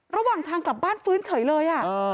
ระหว่างทางกลับบ้านฟื้นเฉยเลย